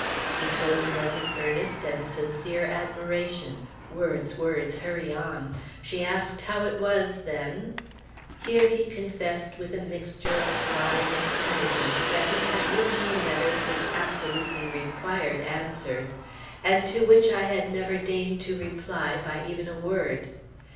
He told her of his earnest and sincere admiration words! words! hurry on! She asked how it was then ? Here he confessed, with a mixture of pride and penitence, that he had written me letters which absolutely required answers, and to which I had never deigned to reply by even a word.